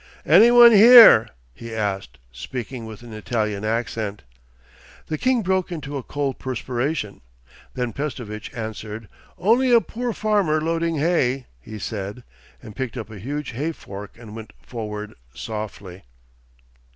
'Any one here?' he asked, speaking with an Italian accent. The king broke into a cold perspiration. Then Pestovitch answered: 'Only a poor farmer loading hay,' he said, and picked up a huge hay fork and went forward softly.